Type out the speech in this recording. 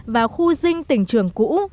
và khu dinh tỉnh trường cũ